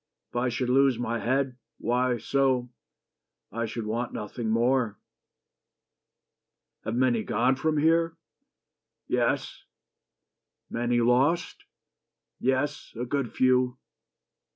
If I should lose my head, why, so, I should want nothing more. ... Have many gone From here?" "Yes." "Many lost?" "Yes: good few.